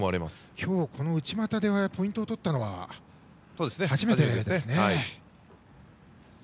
今日内股でポイントを取ったのは初めてですね。